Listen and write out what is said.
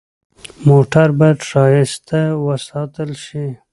موټر باید ښایسته وساتل شي.